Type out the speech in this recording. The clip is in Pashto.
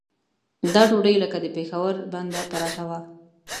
دا ډوډۍ لکه د پېښور بنده پراټه وه.